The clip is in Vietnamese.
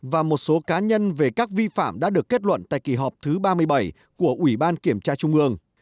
và một số cá nhân về các vi phạm đã được kết luận tại kỳ họp thứ ba mươi bảy của ủy ban kiểm tra trung ương